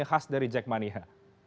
yang khas dari jack maniha